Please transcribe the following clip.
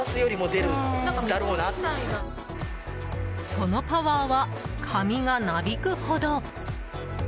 そのパワーは、髪がなびくほど。